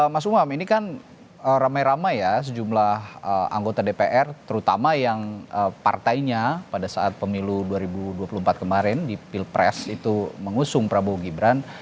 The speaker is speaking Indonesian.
mas umam ini kan ramai ramai ya sejumlah anggota dpr terutama yang partainya pada saat pemilu dua ribu dua puluh empat kemarin di pilpres itu mengusung prabowo gibran